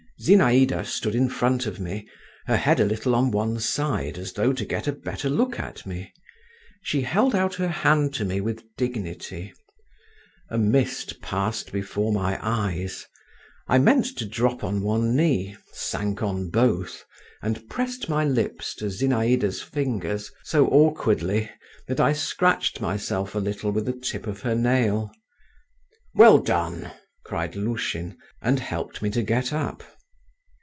Zinaïda stood in front of me, her head a little on one side as though to get a better look at me; she held out her hand to me with dignity. A mist passed before my eyes; I meant to drop on one knee, sank on both, and pressed my lips to Zinaïda's fingers so awkwardly that I scratched myself a little with the tip of her nail. "Well done!" cried Lushin, and helped me to get up.